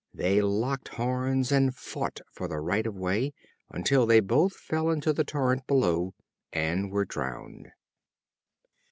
They locked horns and fought for the right of way, until they both fell into the torrent below and were drowned.